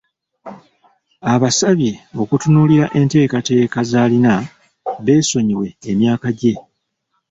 Abasabye okutunuulira enteekateeka z'alina beesonyiwe emyaka gye.